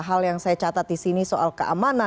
saya ingatkan ingatkan salah satu dilakukannya